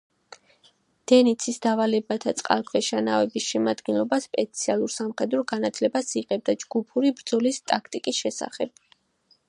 დენიცის დავალებით წყალქვეშა ნავების შემადგენლობა სპეციალურ სამხედრო განათლებას იღებდა ჯგუფური ბრძოლის ტაქტიკის შესახებ.